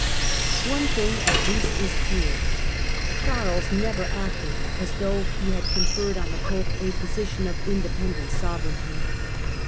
One thing at least is clear. Charles never acted as though he had conferred on the Pope a position of inde pendent sovereignty.